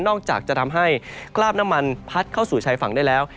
อกจากจะทำให้คราบน้ำมันพัดเข้าสู่ชายฝั่งได้แล้ว